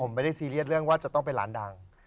ผมไม่ได้ซีเรียสเรื่องว่าจะต้องไปร้านดัง